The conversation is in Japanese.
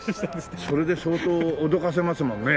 それで相当おどかせますもんね。